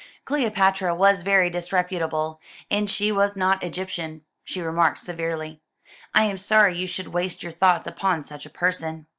"Cleopatra was very disreputable, and she was not Egyptian," she remarked severely. "I am sorry you should waste your thoughts upon such a person."